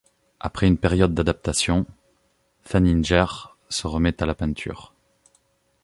Après une période d'adaptation, Feininger se remet à la peinture.